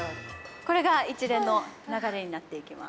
これが一連の流れになっていきます。